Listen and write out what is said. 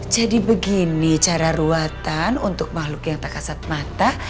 jadi begini cara ruatan untuk makhluk yang takasat mata